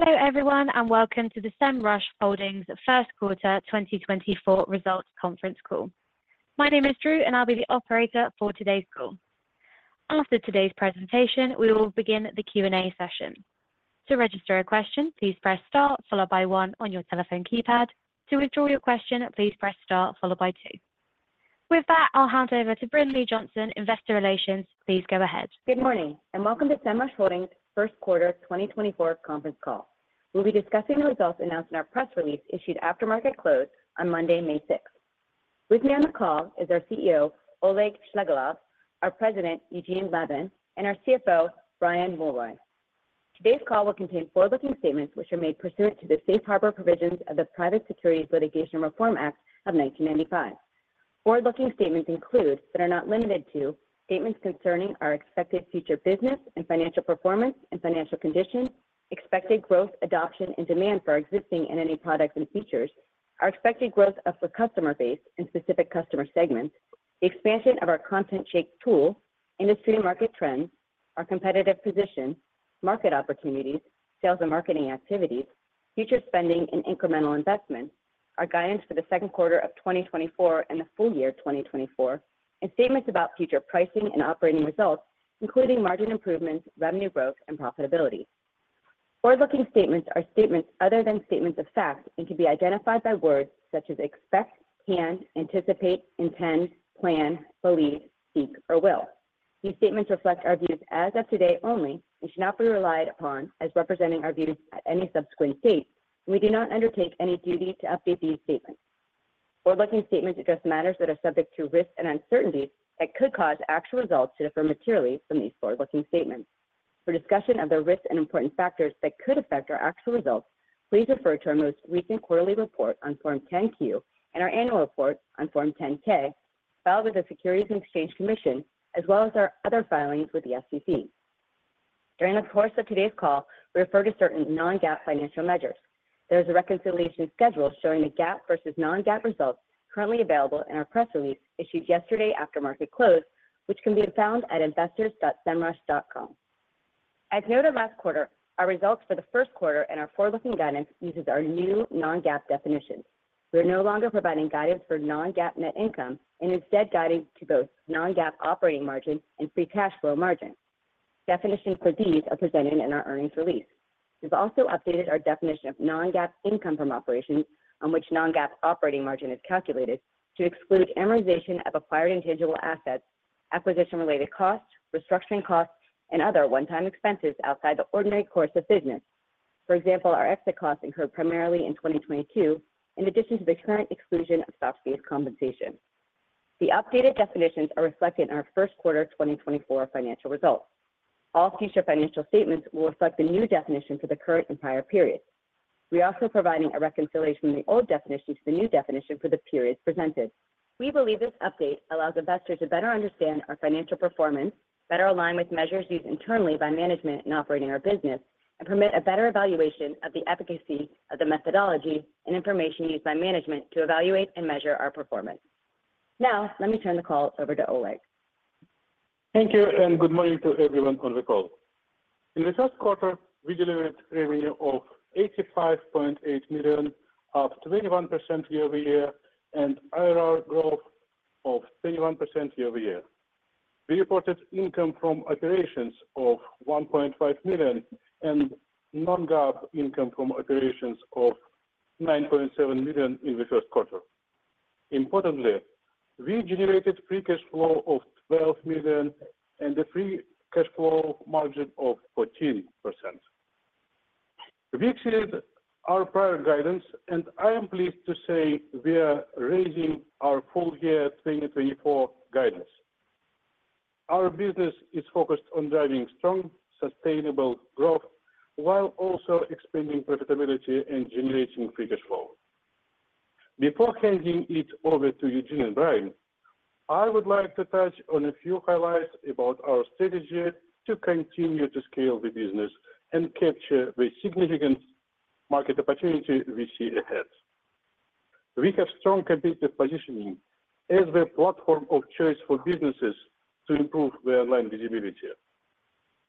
Hello everyone and welcome to the Semrush Holdings first quarter 2024 results conference call. My name is Drew and I'll be the operator for today's call. After today's presentation we will begin the Q&A session. To register a question please press star followed by one on your telephone keypad. To withdraw your question please press star followed by two. With that I'll hand over to Brinlea Johnson, Investor Relations, please go ahead. Good morning and welcome to Semrush Holdings first quarter 2024 conference call. We'll be discussing the results announced in our press release issued after market close on Monday, May 6th. With me on the call is our CEO, Oleg Shchegolev, our President, Eugene Levin, and our CFO, Brian Mulroy. Today's call will contain forward-looking statements which are made pursuant to the safe harbor provisions of the Private Securities Litigation Reform Act of 1995. Forward-looking statements include but are not limited to: statements concerning our expected future business and financial performance and financial condition, expected growth, adoption, and demand for existing and new products and features, our expected growth of the customer base and specific customer segments, the expansion of our ContentShake tool, industry market trends, our competitive position, market opportunities, sales and marketing activities, future spending and incremental investment, our guidance for the second quarter of 2024 and the full year 2024, and statements about future pricing and operating results including margin improvements, revenue growth, and profitability. Forward-looking statements are statements other than statements of fact and can be identified by words such as expect, can, anticipate, intend, plan, believe, seek, or will. These statements reflect our views as of today only and should not be relied upon as representing our views at any subsequent date, and we do not undertake any duty to update these statements. Forward-looking statements address matters that are subject to risks and uncertainties that could cause actual results to differ materially from these forward-looking statements. For discussion of the risks and important factors that could affect our actual results please refer to our most recent quarterly report on Form 10-Q and our annual report on Form 10-K filed with the Securities and Exchange Commission as well as our other filings with the SEC. During the course of today's call we refer to certain non-GAAP financial measures. There is a reconciliation schedule showing the GAAP versus non-GAAP results currently available in our press release issued yesterday after market close which can be found at investors.semrush.com. As noted last quarter, our results for the first quarter and our forward-looking guidance uses our new non-GAAP definition. We are no longer providing guidance for non-GAAP net income and instead guiding to both non-GAAP operating margin and free cash flow margin. Definitions for these are presented in our earnings release. We've also updated our definition of non-GAAP income from operations on which non-GAAP operating margin is calculated to exclude amortization of acquired intangible assets, acquisition-related costs, restructuring costs, and other one-time expenses outside the ordinary course of business. For example, our exit costs incurred primarily in 2022 in addition to the current exclusion of stock-based compensation. The updated definitions are reflected in our first quarter 2024 financial results. All future financial statements will reflect the new definition for the current and prior periods. We are also providing a reconciliation from the old definition to the new definition for the periods presented. We believe this update allows investors to better understand our financial performance, better align with measures used internally by management in operating our business, and permit a better evaluation of the efficacy of the methodology and information used by management to evaluate and measure our performance. Now let me turn the call over to Oleg. Thank you and good morning to everyone on the call. In the first quarter we delivered revenue of $85.8 million, up 21% year-over-year and NRR growth of 21% year-over-year. We reported income from operations of $1.5 million and non-GAAP income from operations of $9.7 million in the first quarter. Importantly, we generated free cash flow of $12 million and a free cash flow margin of 14%. We exceeded our prior guidance and I am pleased to say we are raising our full year 2024 guidance. Our business is focused on driving strong, sustainable growth while also expanding profitability and generating free cash flow. Before handing it over to Eugene and Brian, I would like to touch on a few highlights about our strategy to continue to scale the business and capture the significant market opportunity we see ahead. We have strong competitive positioning as the platform of choice for businesses to improve their online visibility.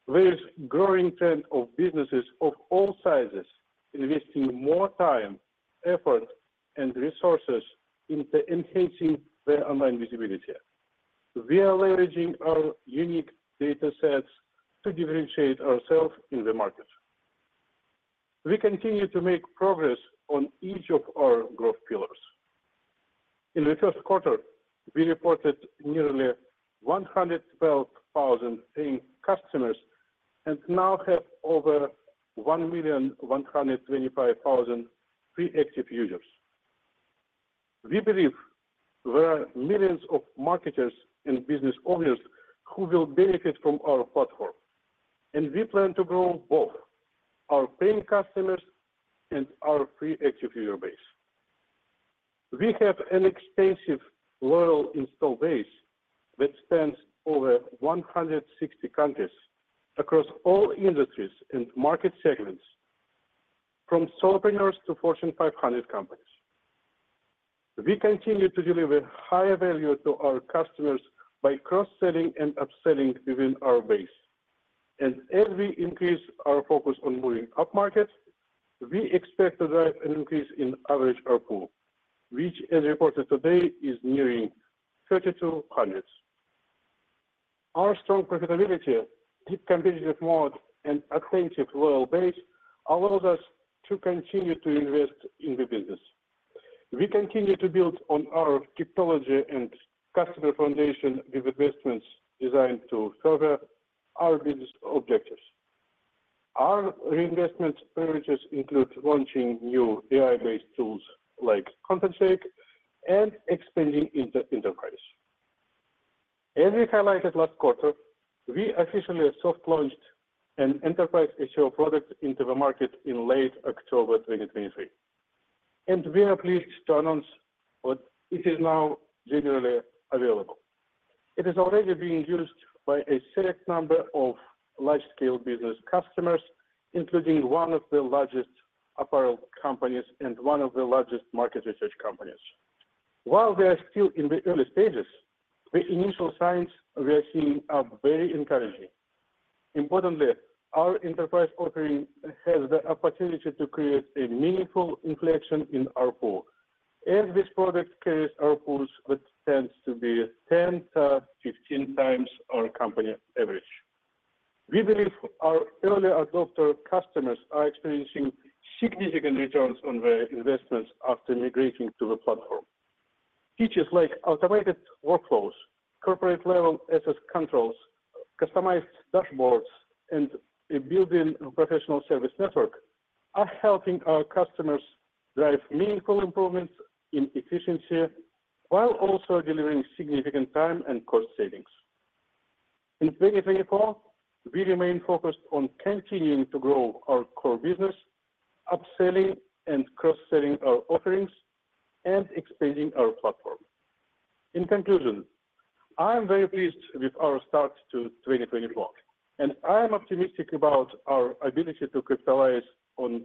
There is a growing trend of businesses of all sizes investing more time, effort, and resources into enhancing their online visibility. We are leveraging our unique data sets to differentiate ourselves in the market. We continue to make progress on each of our growth pillars. In the first quarter we reported nearly 112,000 paying customers and now have over 1,125,000 free active users. We believe there are millions of marketers and business owners who will benefit from our platform and we plan to grow both our paying customers and our free active user base. We have an extensive loyal installed base that spans over 160 countries across all industries and market segments, from solopreneurs to Fortune 500 companies. We continue to deliver high value to our customers by cross-selling and upselling within our base, and as we increase our focus on moving upmarket we expect to drive an increase in average ARPU which, as reported today, is nearing $3,200. Our strong profitability, deep competitive moat, and attentive loyal base allow us to continue to invest in the business. We continue to build on our technology and customer foundation with investments designed to further our business objectives. Our reinvestment priorities include launching new AI-based tools like ContentShake and expanding into enterprise. As we highlighted last quarter we officially soft-launched an enterprise SEO product into the market in late October 2023, and we are pleased to announce what is now generally available. It is already being used by a select number of large-scale business customers including one of the largest apparel companies and one of the largest market research companies. While they are still in the early stages, the initial signs we are seeing are very encouraging. Importantly, our enterprise offering has the opportunity to create a meaningful inflection in ARPU as this product carries ARPUs that tend to be 10x-15x our company average. We believe our early adopter customers are experiencing significant returns on their investments after migrating to the platform. Features like automated workflows, corporate-level access controls, customized dashboards, and a building professional service network are helping our customers drive meaningful improvements in efficiency while also delivering significant time and cost savings. In 2024 we remain focused on continuing to grow our core business, upselling and cross-selling our offerings, and expanding our platform. In conclusion, I am very pleased with our start to 2024 and I am optimistic about our ability to capitalize on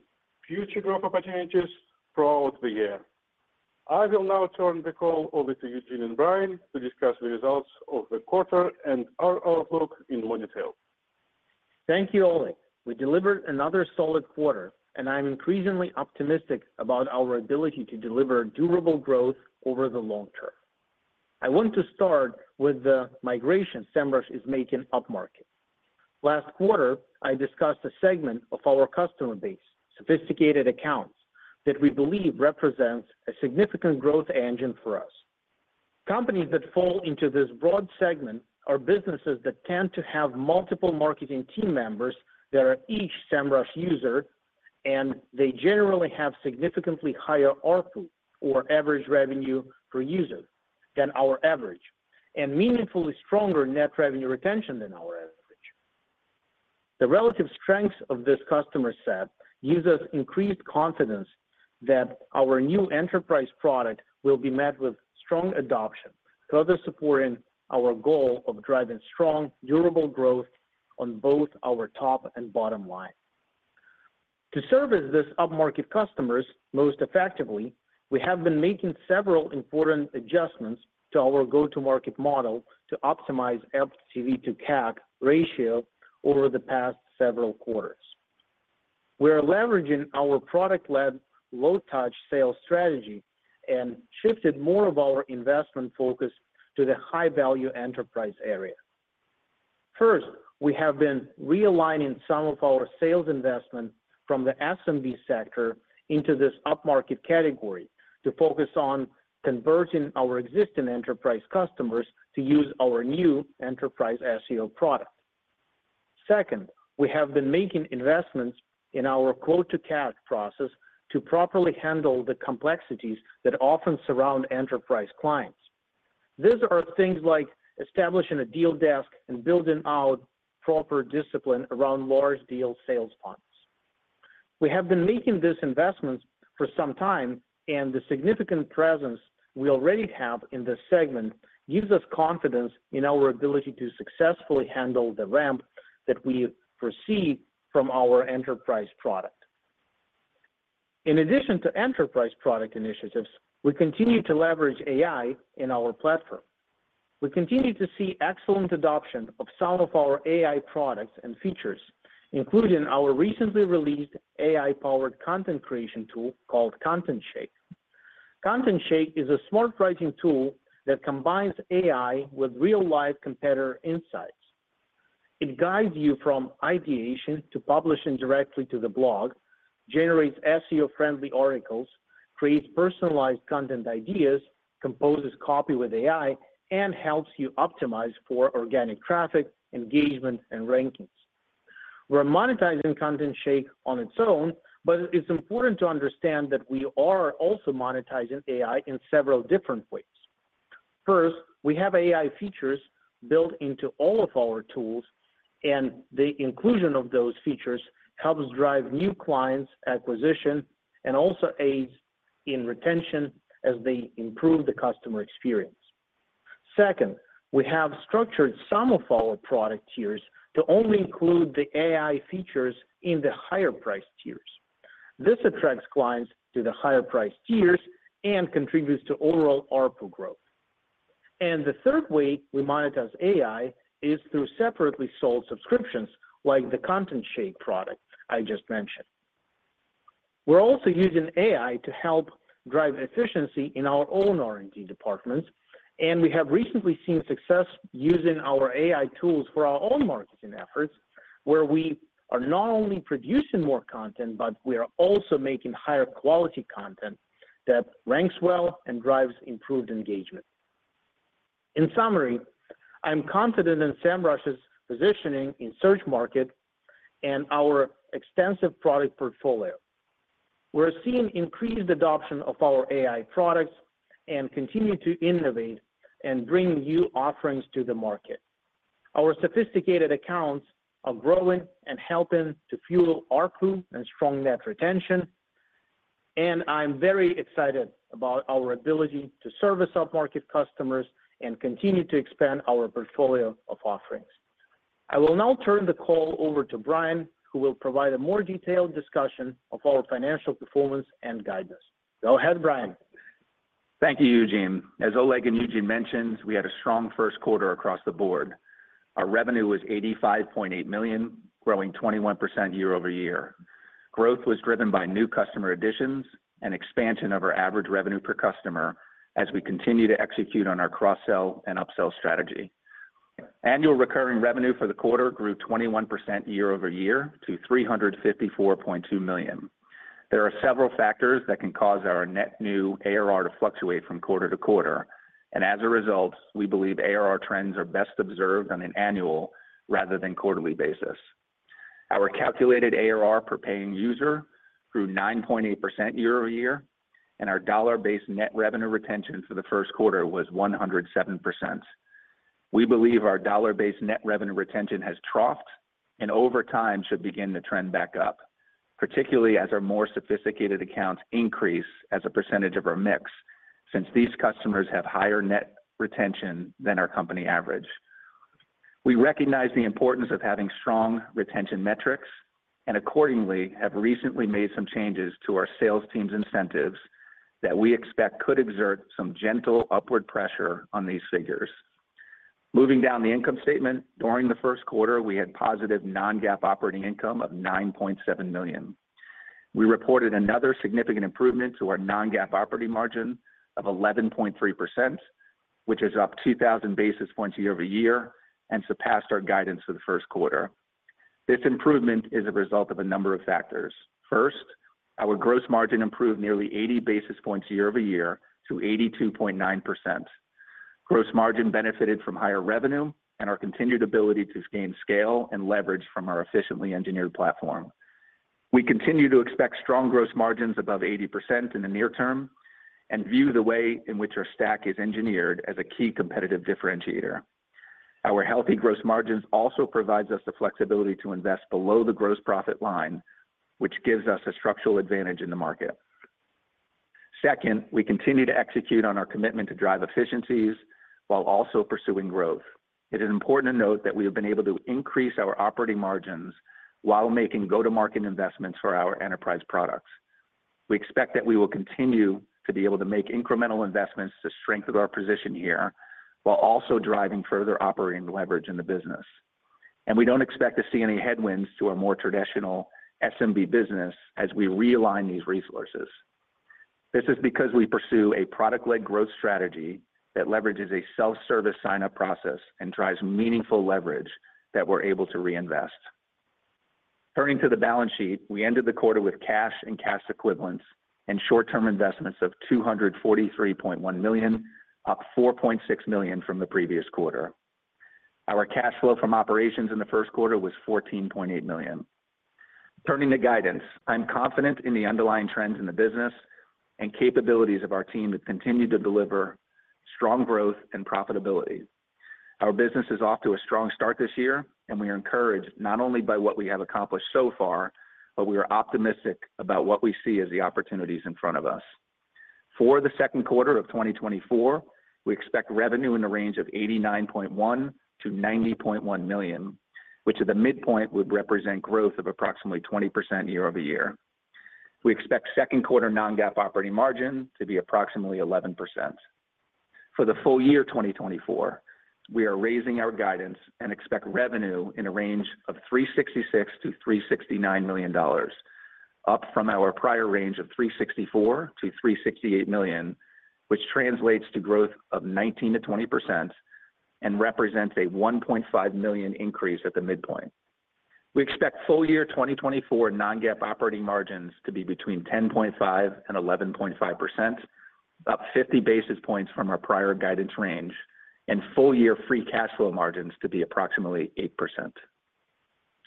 future growth opportunities throughout the year. I will now turn the call over to Eugene and Brian to discuss the results of the quarter and our outlook in more detail. Thank you, Oleg. We delivered another solid quarter and I am increasingly optimistic about our ability to deliver durable growth over the long term. I want to start with the migration Semrush is making upmarket. Last quarter I discussed a segment of our customer base, sophisticated accounts, that we believe represents a significant growth engine for us. Companies that fall into this broad segment are businesses that tend to have multiple marketing team members that are each Semrush user and they generally have significantly higher ARPU or average revenue per user than our average and meaningfully stronger net revenue retention than our average. The relative strengths of this customer set give us increased confidence that our new enterprise product will be met with strong adoption further supporting our goal of driving strong, durable growth on both our top and bottom line. To service these upmarket customers most effectively, we have been making several important adjustments to our go-to-market model to optimize LTV to CAC ratio over the past several quarters. We are leveraging our product-led low-touch sales strategy and shifted more of our investment focus to the high-value enterprise area. First, we have been realigning some of our sales investment from the SMB sector into this upmarket category to focus on converting our existing enterprise customers to use our new enterprise SEO product. Second, we have been making investments in our quote-to-cash process to properly handle the complexities that often surround enterprise clients. These are things like establishing a Deal Desk and building out proper discipline around large deal sales funnels. We have been making these investments for some time and the significant presence we already have in this segment gives us confidence in our ability to successfully handle the ramp that we foresee from our enterprise product. In addition to enterprise product initiatives, we continue to leverage AI in our platform. We continue to see excellent adoption of some of our AI products and features including our recently released AI-powered content creation tool called ContentShake. ContentShake is a smart writing tool that combines AI with real-life competitor insights. It guides you from ideation to publishing directly to the blog, generates SEO-friendly articles, creates personalized content ideas, composes copy with AI, and helps you optimize for organic traffic, engagement, and rankings. We are monetizing ContentShake on its own but it's important to understand that we are also monetizing AI in several different ways. First, we have AI features built into all of our tools and the inclusion of those features helps drive new clients' acquisition and also aids in retention as they improve the customer experience. Second, we have structured some of our product tiers to only include the AI features in the higher-priced tiers. This attracts clients to the higher-priced tiers and contributes to overall ARPU growth. And the third way we monetize AI is through separately sold subscriptions like the ContentShake product I just mentioned. We're also using AI to help drive efficiency in our own R&D departments and we have recently seen success using our AI tools for our own marketing efforts where we are not only producing more content but we are also making higher-quality content that ranks well and drives improved engagement. In summary, I'm confident in Semrush's positioning in search market and our extensive product portfolio. We're seeing increased adoption of our AI products and continue to innovate and bring new offerings to the market. Our sophisticated accounts are growing and helping to fuel ARPU and strong net retention and I'm very excited about our ability to service upmarket customers and continue to expand our portfolio of offerings. I will now turn the call over to Brian who will provide a more detailed discussion of our financial performance and guidance. Go ahead, Brian. Thank you, Eugene. As Oleg and Eugene mentioned, we had a strong first quarter across the board. Our revenue was $85.8 million, growing 21% year-over-year. Growth was driven by new customer additions and expansion of our average revenue per customer as we continue to execute on our cross-sell and upsell strategy. Annual recurring revenue for the quarter grew 21% year-over-year to $354.2 million. There are several factors that can cause our net new ARR to fluctuate from quarter to quarter and as a result we believe ARR trends are best observed on an annual rather than quarterly basis. Our calculated ARR per paying user grew 9.8% year-over-year and our dollar-based net revenue retention for the first quarter was 107%. We believe our dollar-based net revenue retention has troughed and over time should begin to trend back up, particularly as our more sophisticated accounts increase as a percentage of our mix since these customers have higher net retention than our company average. We recognize the importance of having strong retention metrics and accordingly have recently made some changes to our sales teams' incentives that we expect could exert some gentle upward pressure on these figures. Moving down the income statement, during the first quarter we had positive non-GAAP operating income of $9.7 million. We reported another significant improvement to our non-GAAP operating margin of 11.3%, which is up 2,000 basis points year-over-year and surpassed our guidance for the first quarter. This improvement is a result of a number of factors. First, our gross margin improved nearly 80 basis points year-over-year to 82.9%. Gross margin benefited from higher revenue and our continued ability to gain scale and leverage from our efficiently engineered platform. We continue to expect strong gross margins above 80% in the near term and view the way in which our stack is engineered as a key competitive differentiator. Our healthy gross margins also provides us the flexibility to invest below the gross profit line, which gives us a structural advantage in the market. Second, we continue to execute on our commitment to drive efficiencies while also pursuing growth. It is important to note that we have been able to increase our operating margins while making go-to-market investments for our enterprise products. We expect that we will continue to be able to make incremental investments to strengthen our position here while also driving further operating leverage in the business. We don't expect to see any headwinds to our more traditional SMB business as we realign these resources. This is because we pursue a product-led growth strategy that leverages a self-service signup process and drives meaningful leverage that we're able to reinvest. Turning to the balance sheet, we ended the quarter with cash and cash equivalents and short-term investments of $243.1 million, up $4.6 million from the previous quarter. Our cash flow from operations in the first quarter was $14.8 million. Turning to guidance, I'm confident in the underlying trends in the business and capabilities of our team to continue to deliver strong growth and profitability. Our business is off to a strong start this year and we are encouraged not only by what we have accomplished so far but we are optimistic about what we see as the opportunities in front of us. For the second quarter of 2024, we expect revenue in the range of $89.1 million-$90.1 million, which at the midpoint would represent growth of approximately 20% year-over-year. We expect second quarter non-GAAP operating margin to be approximately 11%. For the full year 2024, we are raising our guidance and expect revenue in a range of $366 million-$369 million, up from our prior range of $364 million-$368 million, which translates to growth of 19%-20% and represents a $1.5 million increase at the midpoint. We expect full year 2024 non-GAAP operating margins to be between 10.5% and 11.5%, up 50 basis points from our prior guidance range, and full year free cash flow margins to be approximately 8%.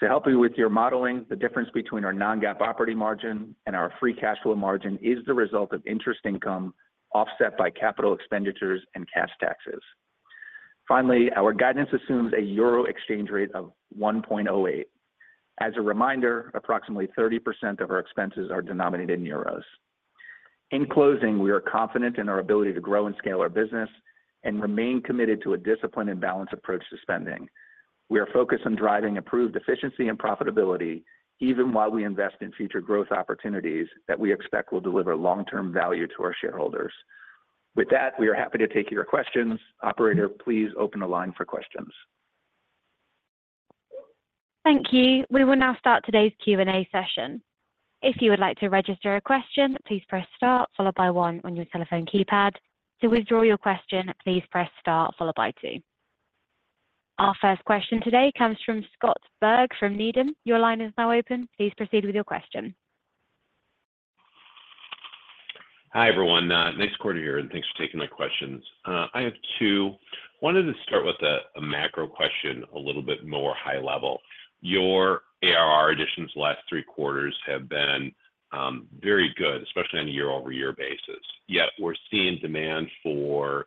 To help you with your modeling, the difference between our non-GAAP operating margin and our free cash flow margin is the result of interest income offset by capital expenditures and cash taxes. Finally, our guidance assumes a euro exchange rate of 1.08. As a reminder, approximately 30% of our expenses are denominated in euros. In closing, we are confident in our ability to grow and scale our business and remain committed to a disciplined and balanced approach to spending. We are focused on driving improved efficiency and profitability even while we invest in future growth opportunities that we expect will deliver long-term value to our shareholders. With that, we are happy to take your questions. Operator, please open the line for questions. Thank you. We will now start today's Q&A session. If you would like to register a question, please press star followed by one on your telephone keypad. To withdraw your question, please press star followed by two. Our first question today comes from Scott Berg from Needham. Your line is now open. Please proceed with your question. Hi everyone. Nice quarter here and thanks for taking my questions. I have two. I wanted to start with a macro question a little bit more high level. Your ARR additions the last three quarters have been very good, especially on a year-over-year basis. Yet we're seeing demand for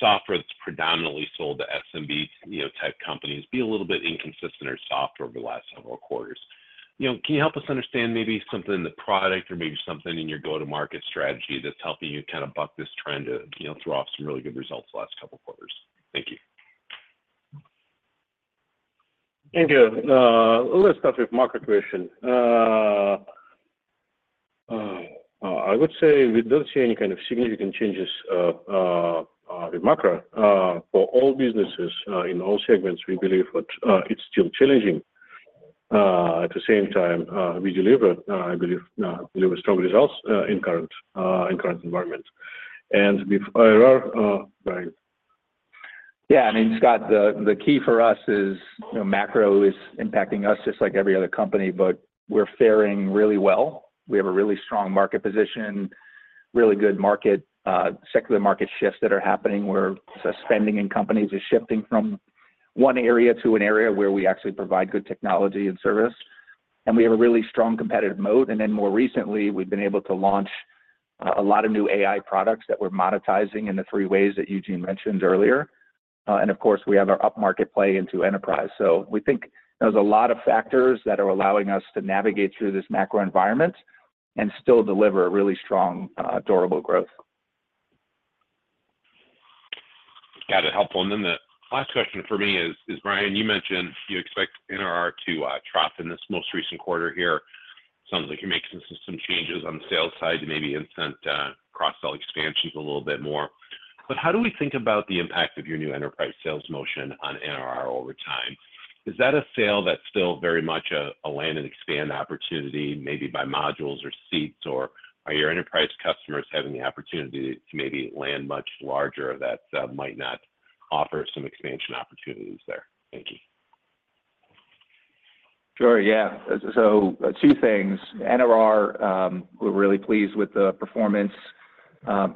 software that's predominantly sold to SMB-type companies be a little bit inconsistent or soft over the last several quarters. Can you help us understand maybe something in the product or maybe something in your go-to-market strategy that's helping you kind of buck this trend to throw off some really good results the last couple of quarters? Thank you. Thank you. Let's start with the macro question. I would say we don't see any kind of significant changes with macro. For all businesses in all segments, we believe that it's still challenging. At the same time, we deliver, I believe, strong results in the current environment. And with ARR, Brian. Yeah. I mean, Scott, the key for us is macro is impacting us just like every other company, but we're faring really well. We have a really strong market position, really good secular market shifts that are happening where spending in companies is shifting from one area to an area where we actually provide good technology and service. And we have a really strong competitive moat. And then more recently, we've been able to launch a lot of new AI products that we're monetizing in the three ways that Eugene mentioned earlier. And of course, we have our upmarket play into enterprise. So we think there's a lot of factors that are allowing us to navigate through this macro environment and still deliver really strong, durable growth. Got it. Helpful. And then the last question for me is, Brian, you mentioned you expect NRR to trough in this most recent quarter here. Sounds like you're making some changes on the sales side to maybe incent cross-sell expansions a little bit more. But how do we think about the impact of your new enterprise sales motion on NRR over time? Is that a sale that's still very much a land and expand opportunity maybe by modules or seats or are your enterprise customers having the opportunity to maybe land much larger that might not offer some expansion opportunities there? Thank you. Sure. Yeah. So two things. NRR, we're really pleased with the performance.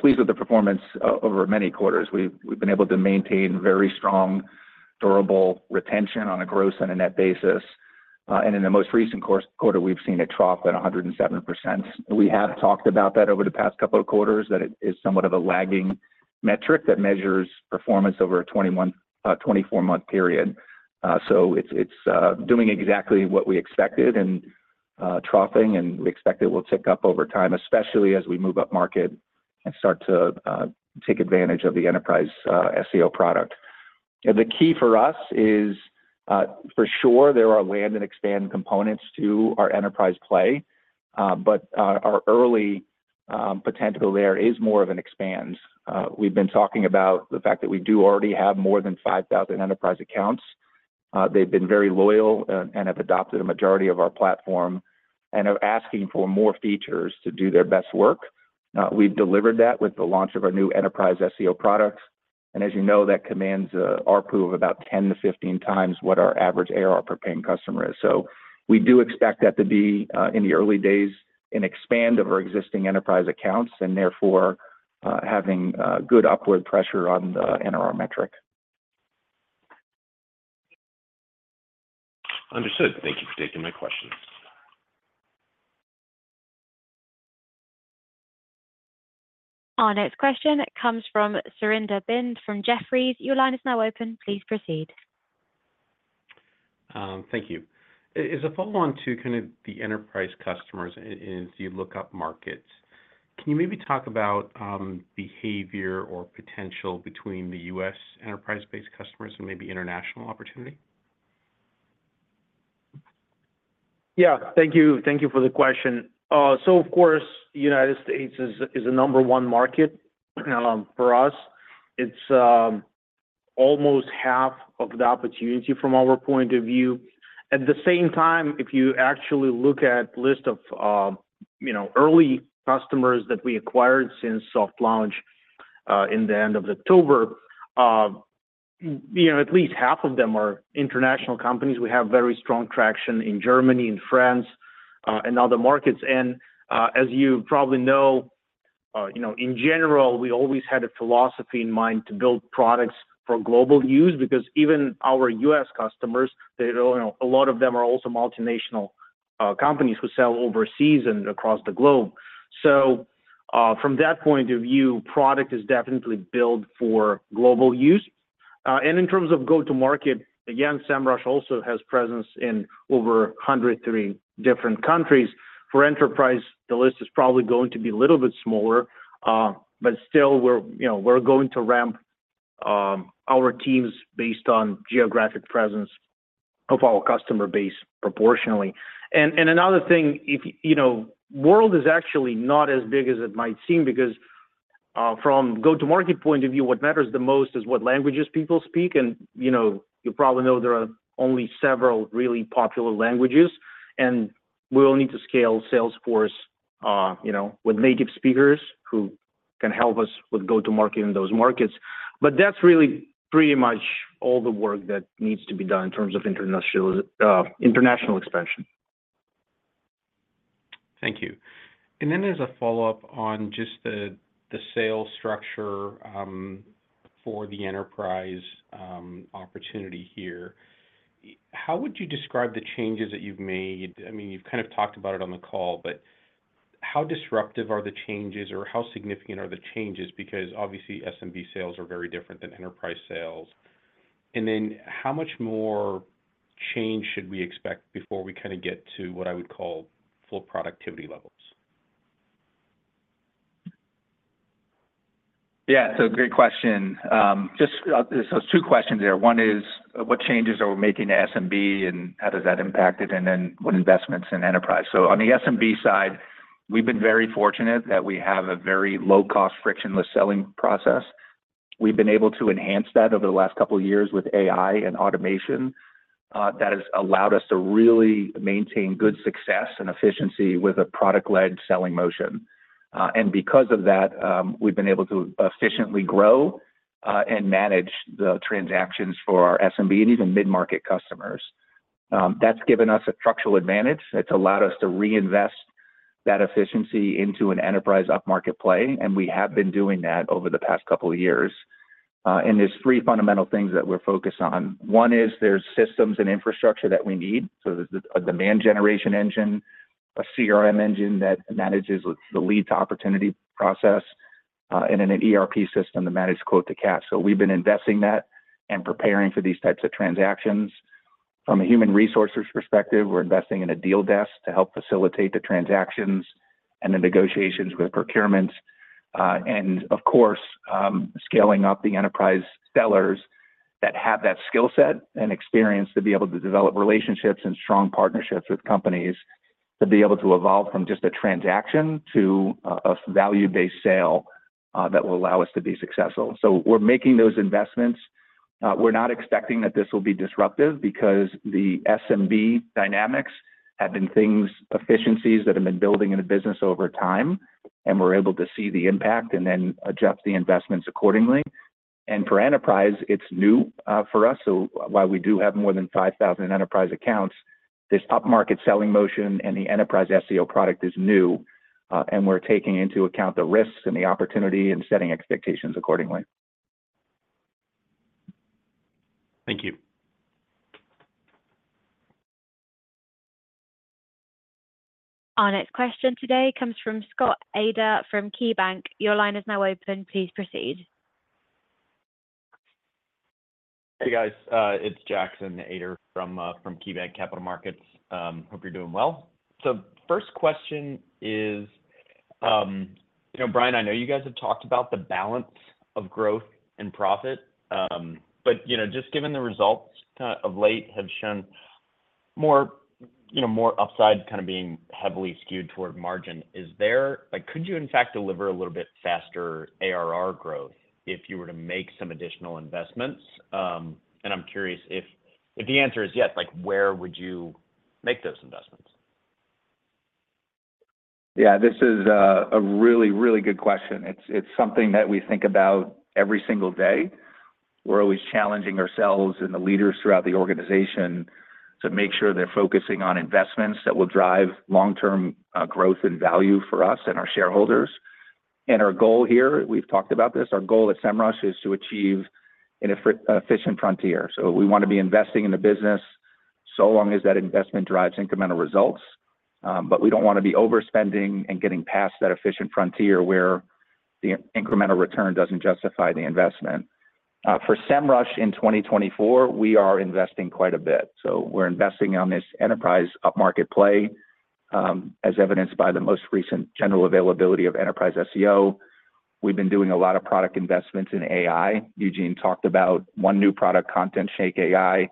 Pleased with the performance over many quarters. We've been able to maintain very strong, durable retention on a gross and a net basis. And in the most recent quarter, we've seen it trough at 107%. We have talked about that over the past couple of quarters, that it is somewhat of a lagging metric that measures performance over a 24-month period. So it's doing exactly what we expected in troughing and we expect it will tick up over time, especially as we move upmarket and start to take advantage of the enterprise SEO product. The key for us is for sure there are land and expand components to our enterprise play, but our early potential there is more of an expand. We've been talking about the fact that we do already have more than 5,000 enterprise accounts. They've been very loyal and have adopted a majority of our platform and are asking for more features to do their best work. We've delivered that with the launch of our new enterprise SEO product. As you know, that commands ARPU of about 10x-15x what our average ARR per paying customer is. We do expect that to be in the early days an expansion of our existing enterprise accounts and therefore having good upward pressure on the NRR metric. Understood. Thank you for taking my question. Our next question comes from Surinder Thind from Jefferies. Your line is now open. Please proceed. Thank you. As a follow-on to kind of the enterprise customers and as you look at upmarkets, can you maybe talk about behavior or potential between the U.S. enterprise-based customers and maybe international opportunity? Yeah. Thank you. Thank you for the question. So of course, the United States is a number one market for us. It's almost half of the opportunity from our point of view. At the same time, if you actually look at the list of early customers that we acquired since soft launch in the end of October, at least half of them are international companies. We have very strong traction in Germany, in France, and other markets. And as you probably know, in general, we always had a philosophy in mind to build products for global use because even our U.S. customers, a lot of them are also multinational companies who sell overseas and across the globe. So from that point of view, product is definitely built for global use. And in terms of go-to-market, again, Semrush also has presence in over 103 different countries. For enterprise, the list is probably going to be a little bit smaller, but still we're going to ramp our teams based on geographic presence of our customer base proportionally. Another thing, the world is actually not as big as it might seem because from a go-to-market point of view, what matters the most is what languages people speak. You probably know there are only several really popular languages. We will need to scale sales force with native speakers who can help us with go-to-market in those markets. That's really pretty much all the work that needs to be done in terms of international expansion. Thank you. Then as a follow-up on just the sales structure for the enterprise opportunity here, how would you describe the changes that you've made? I mean, you've kind of talked about it on the call, but how disruptive are the changes or how significant are the changes? Because obviously, SMB sales are very different than enterprise sales. And then how much more change should we expect before we kind of get to what I would call full productivity levels? Yeah. So great question. So there's two questions there. One is what changes are we making to SMB and how does that impact it, and then what investments in enterprise? So on the SMB side, we've been very fortunate that we have a very low-cost, frictionless selling process. We've been able to enhance that over the last couple of years with AI and automation that has allowed us to really maintain good success and efficiency with a product-led selling motion. Because of that, we've been able to efficiently grow and manage the transactions for our SMB and even mid-market customers. That's given us a structural advantage. It's allowed us to reinvest that efficiency into an enterprise upmarket play. We have been doing that over the past couple of years. There's three fundamental things that we're focused on. One is there's systems and infrastructure that we need. So there's a demand generation engine, a CRM engine that manages the lead to opportunity process, and then an ERP system that manages quote to cash. So we've been investing that and preparing for these types of transactions. From a human resources perspective, we're investing in a Deal Desk to help facilitate the transactions and the negotiations with procurements. Of course, scaling up the enterprise sellers that have that skill set and experience to be able to develop relationships and strong partnerships with companies to be able to evolve from just a transaction to a value-based sale that will allow us to be successful. We're making those investments. We're not expecting that this will be disruptive because the SMB dynamics have been things, efficiencies that have been building in the business over time. We're able to see the impact and then adjust the investments accordingly. For enterprise, it's new for us. While we do have more than 5,000 enterprise accounts, this upmarket selling motion and the enterprise SEO product is new. We're taking into account the risks and the opportunity and setting expectations accordingly. Thank you. Our next question today comes from Scott Ader from KeyBanc. Your line is now open. Please proceed. Hey guys. It's Jackson Ader from KeyBanc Capital Markets. Hope you're doing well. So first question is, Brian, I know you guys have talked about the balance of growth and profit, but just given the results kind of of late have shown more upside kind of being heavily skewed toward margin. Could you, in fact, deliver a little bit faster ARR growth if you were to make some additional investments? And I'm curious if the answer is yes, where would you make those investments? Yeah. This is a really, really good question. It's something that we think about every single day. We're always challenging ourselves and the leaders throughout the organization to make sure they're focusing on investments that will drive long-term growth and value for us and our shareholders. And our goal here, we've talked about this, our goal at Semrush is to achieve an efficient frontier. So we want to be investing in the business so long as that investment drives incremental results. But we don't want to be overspending and getting past that efficient frontier where the incremental return doesn't justify the investment. For Semrush in 2024, we are investing quite a bit. So we're investing on this enterprise upmarket play as evidenced by the most recent general availability of enterprise SEO. We've been doing a lot of product investments in AI. Eugene talked about one new product, ContentShake AI,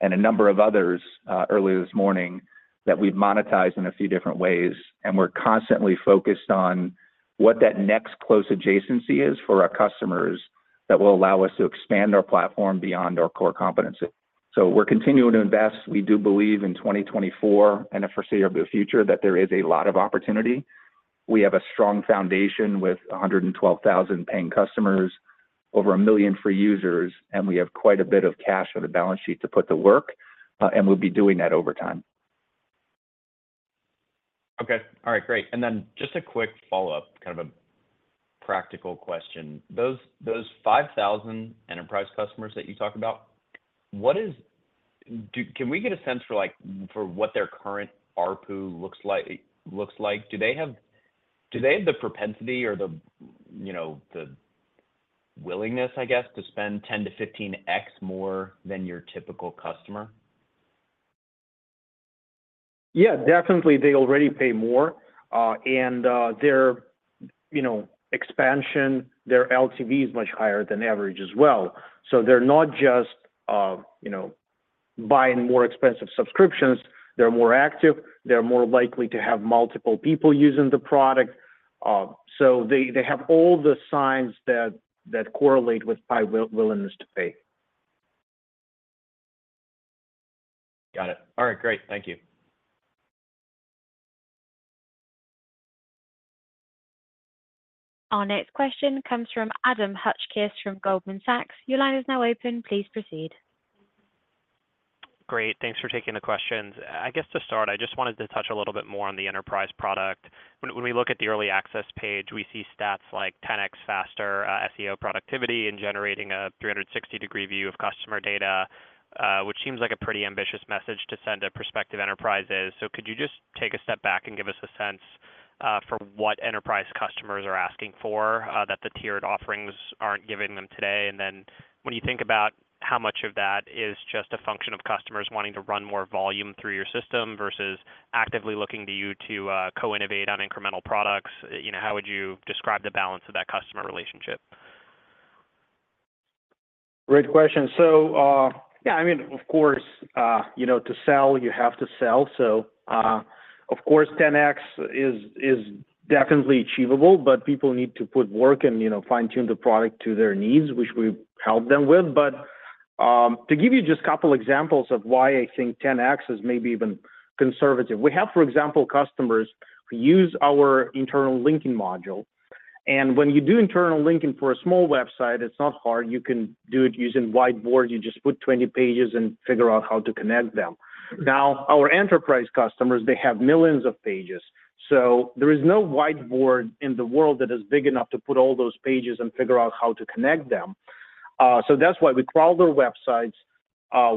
and a number of others earlier this morning that we've monetized in a few different ways. And we're constantly focused on what that next close adjacency is for our customers that will allow us to expand our platform beyond our core competency. So we're continuing to invest. We do believe in 2024 and a foreseeable future that there is a lot of opportunity. We have a strong foundation with 112,000 paying customers, over 1 million free users, and we have quite a bit of cash on the balance sheet to put to work. We'll be doing that over time. Okay. All right. Great. Then just a quick follow-up, kind of a practical question. Those 5,000 enterprise customers that you talk about, can we get a sense for what their current RPO looks like? Do they have the propensity or the willingness, I guess, to spend 10x-15x more than your typical customer? Yeah. Definitely. They already pay more. And their expansion, their LTV is much higher than average as well. So they're not just buying more expensive subscriptions. They're more active. They're more likely to have multiple people using the product. So they have all the signs that correlate with high willingness to pay. Got it. All right. Great. Thank you. Our next question comes from Adam Hotchkiss from Goldman Sachs. Your line is now open. Please proceed. Great. Thanks for taking the questions. I guess to start, I just wanted to touch a little bit more on the enterprise product. When we look at the early access page, we see stats like 10x faster SEO productivity and generating a 360-degree view of customer data, which seems like a pretty ambitious message to send to a prospective enterprise. So could you just take a step back and give us a sense for what enterprise customers are asking for that the tiered offerings aren't giving them today? And then when you think about how much of that is just a function of customers wanting to run more volume through your system versus actively looking to you to co-innovate on incremental products, how would you describe the balance of that customer relationship? Great question. So yeah, I mean, of course, to sell, you have to sell. So of course, 10x is definitely achievable, but people need to put work and fine-tune the product to their needs, which we help them with. But to give you just a couple of examples of why I think 10x is maybe even conservative, we have, for example, customers who use our internal linking module. And when you do internal linking for a small website, it's not hard. You can do it using whiteboards. You just put 20 pages and figure out how to connect them. Now, our enterprise customers, they have millions of pages. So there is no whiteboard in the world that is big enough to put all those pages and figure out how to connect them. So that's why we crawl their websites.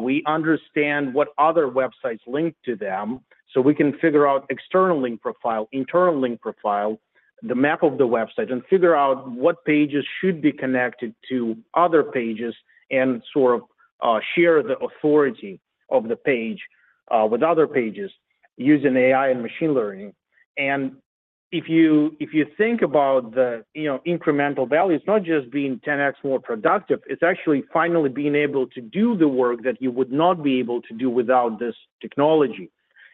We understand what other websites link to them so we can figure out external link profile, internal link profile, the map of the website, and figure out what pages should be connected to other pages and sort of share the authority of the page with other pages using AI and machine learning. If you think about the incremental value, it's not just being 10x more productive. It's actually finally being able to do the work that you would not be able to do without this technology.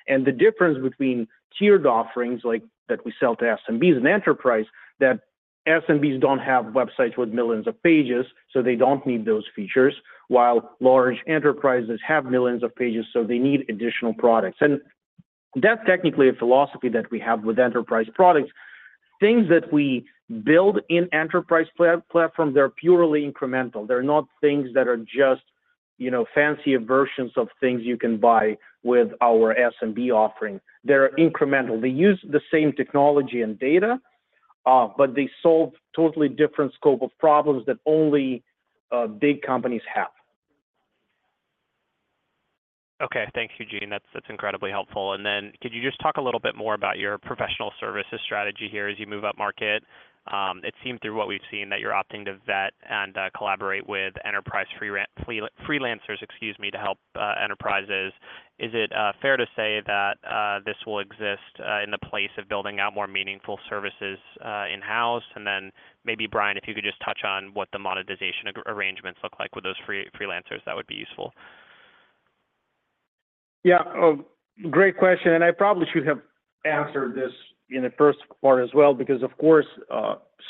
The difference between tiered offerings that we sell to SMBs and enterprise, that SMBs don't have websites with millions of pages, so they don't need those features, while large enterprises have millions of pages, so they need additional products. That's technically a philosophy that we have with enterprise products. Things that we build in enterprise platforms, they're purely incremental. They're not things that are just fancier versions of things you can buy with our SMB offering. They're incremental. They use the same technology and data, but they solve totally different scope of problems that only big companies have. Okay. Thanks, Eugene. That's incredibly helpful. And then could you just talk a little bit more about your professional services strategy here as you move upmarket? It seemed through what we've seen that you're opting to vet and collaborate with enterprise freelancers, excuse me, to help enterprises. Is it fair to say that this will exist in the place of building out more meaningful services in-house? And then maybe, Brian, if you could just touch on what the monetization arrangements look like with those freelancers, that would be useful. Yeah. Great question. And I probably should have answered this in the first part as well because, of course,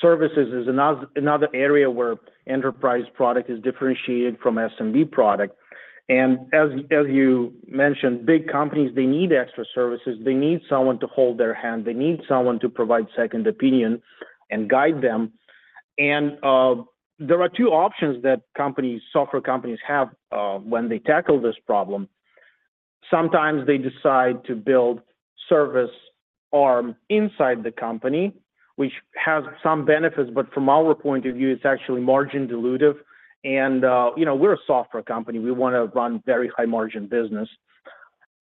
services is another area where enterprise product is differentiated from SMB product. And as you mentioned, big companies, they need extra services. They need someone to hold their hand. They need someone to provide second opinion and guide them. And there are two options that software companies have when they tackle this problem. Sometimes they decide to build service arm inside the company, which has some benefits, but from our point of view, it's actually margin dilutive. And we're a software company. We want to run very high-margin business.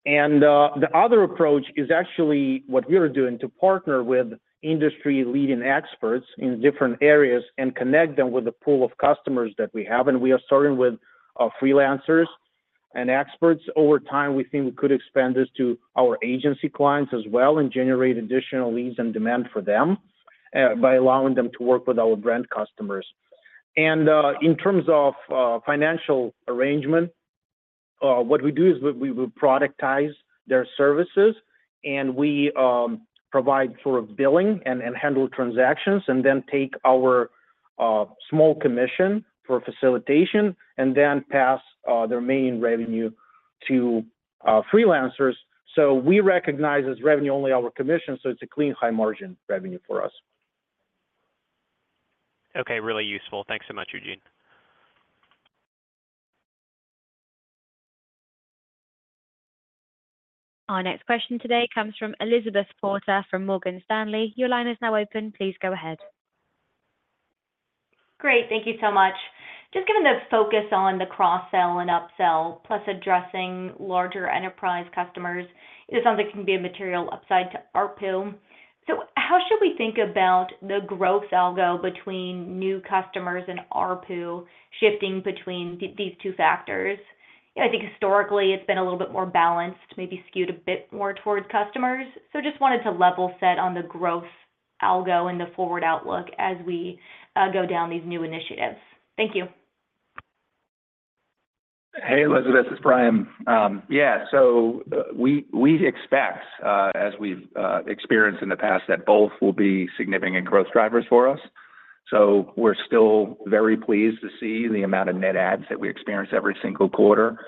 And the other approach is actually what we are doing to partner with industry-leading experts in different areas and connect them with the pool of customers that we have. And we are starting with freelancers and experts. Over time, we think we could expand this to our agency clients as well and generate additional leads and demand for them by allowing them to work with our brand customers. In terms of financial arrangement, what we do is we productize their services. We provide sort of billing and handle transactions and then take our small commission for facilitation and then pass their main revenue to freelancers. We recognize as revenue only our commission. It's a clean high-margin revenue for us. Okay. Really useful. Thanks so much, Eugene. Our next question today comes from Elizabeth Porter from Morgan Stanley. Your line is now open. Please go ahead. Great. Thank you so much. Just given the focus on the cross-sell and upsell, plus addressing larger enterprise customers, it sounds like it can be a material upside to ARPU. So how should we think about the growth algo between new customers and ARPU shifting between these two factors? I think historically, it's been a little bit more balanced, maybe skewed a bit more towards customers. So just wanted to level set on the growth algo and the forward outlook as we go down these new initiatives. Thank you. Hey, Elizabeth. It's Brian. Yeah. So we expect, as we've experienced in the past, that both will be significant growth drivers for us. So we're still very pleased to see the amount of net adds that we experience every single quarter.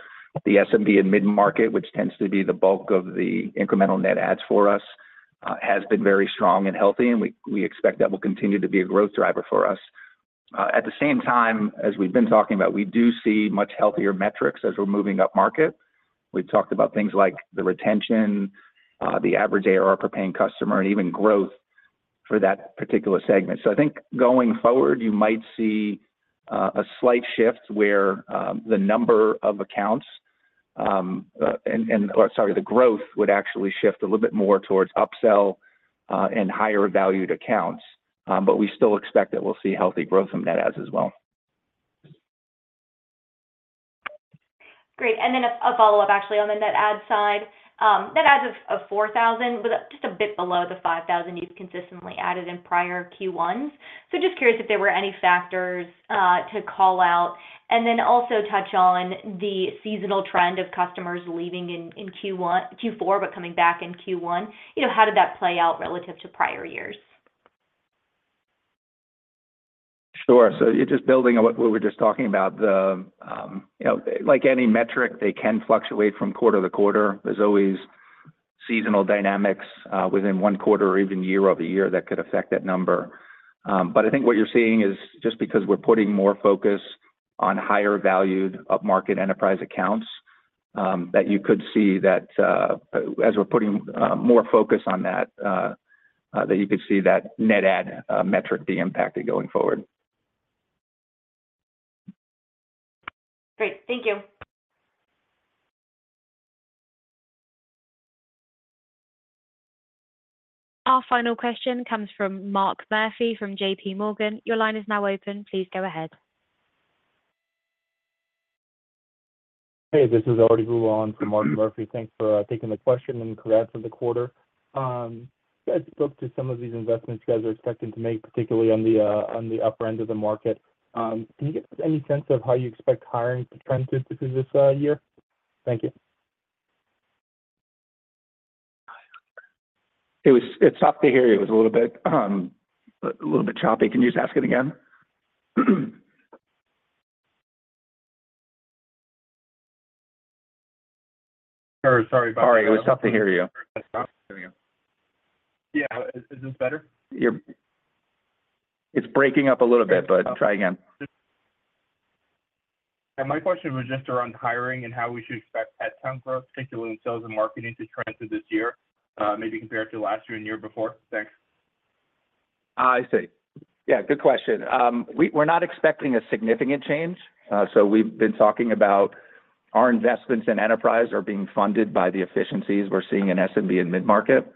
The SMB and mid-market, which tends to be the bulk of the incremental net adds for us, has been very strong and healthy. And we expect that will continue to be a growth driver for us. At the same time, as we've been talking about, we do see much healthier metrics as we're moving upmarket. We've talked about things like the retention, the average ARR per paying customer, and even growth for that particular segment. So I think going forward, you might see a slight shift where the number of accounts and, sorry, the growth would actually shift a little bit more towards upsell and higher valued accounts. But we still expect that we'll see healthy growth from net ads as well. Great. And then a follow-up, actually, on the net adds side. Net adds of 4,000 was just a bit below the 5,000 you've consistently added in prior Q1s. So just curious if there were any factors to call out and then also touch on the seasonal trend of customers leaving in Q4 but coming back in Q1. How did that play out relative to prior years? Sure. So just building on what we were just talking about, like any metric, they can fluctuate from quarter to quarter. There's always seasonal dynamics within one quarter or even year-over-year that could affect that number. But I think what you're seeing is just because we're putting more focus on higher-valued up-market enterprise accounts, that you could see that net ad metric be impacted going forward. Great. Thank you. Our final question comes from Mark Murphy from JPMorgan. Your line is now open. Please go ahead. Hey. This is Arti Vula from Mark Murphy. Thanks for taking the question and congrats on the quarter. I spoke to some of these investments you guys are expecting to make, particularly on the upper end of the market. Can you give us any sense of how you expect hiring to trend through this year? Thank you. It's tough to hear. It was a little bit choppy. Can you just ask it again? Sure. Sorry about that. All right. It was tough to hear you. Yeah. Is this better? It's breaking up a little bit, but try again. Yeah. My question was just around hiring and how we should expect headcount growth, particularly in sales and marketing, to trend through this year, maybe compared to last year and year before. Thanks. I see. Yeah. Good question. We're not expecting a significant change. So we've been talking about our investments in enterprise are being funded by the efficiencies we're seeing in SMB and mid-market.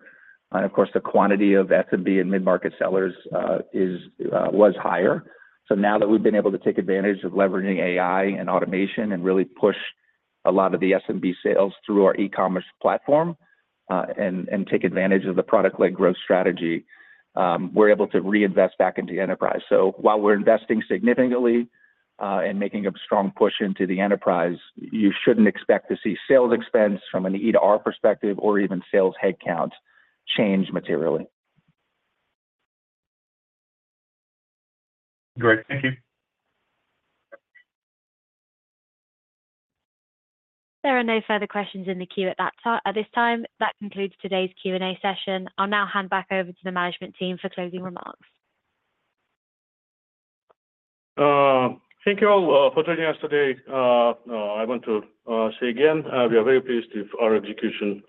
And of course, the quantity of SMB and mid-market sellers was higher. So now that we've been able to take advantage of leveraging AI and automation and really push a lot of the SMB sales through our e-commerce platform and take advantage of the product-led growth strategy, we're able to reinvest back into enterprise. So while we're investing significantly and making a strong push into the enterprise, you shouldn't expect to see sales expense from an E to R perspective or even sales headcount change materially. Great. Thank you. There are no further questions in the queue at this time. That concludes today's Q&A session. I'll now hand back over to the management team for closing remarks. Thank you all for joining us today. I want to say again, we are very pleased with our execution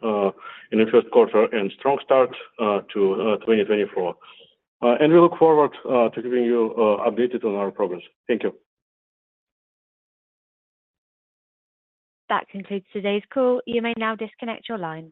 in the first quarter and strong start to 2024. We look forward to keeping you updated on our progress. Thank you. That concludes today's call. You may now disconnect your line.